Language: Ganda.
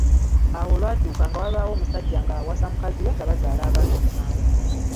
Awo olwatuuka nga wabaawo omusajja ng’awasa mukazi we nga bazaala abaana musanvu.